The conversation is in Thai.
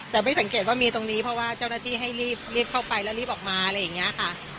แต่ไม่สังเกตว่ามีตรงนี้เพราะว่าเจ้าหน้าที่ให้รีบเข้าไปแล้วรีบออกมาอะไรอย่างนี้ค่ะ